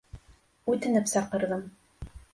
Үтенеп саҡырҙым.